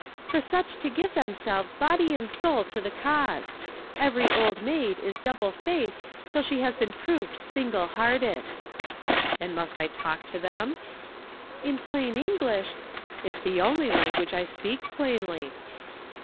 "For such to give themselves body and soul to the cause. Every Old Maid is double faced till she has been proved single hearted." "And must I talk to them?" "In plain English " "It's the only language I speak plainly."